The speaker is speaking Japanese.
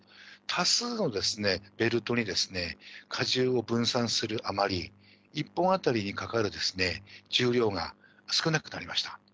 多数のベルトに荷重を分散するあまり、１本当たりにかかる重量が少なくなりました。